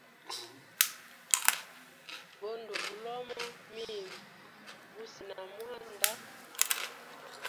Go nduwa bulomo mimi gusinamwanda.